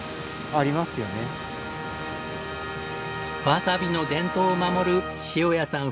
わさびの伝統を守る塩谷さん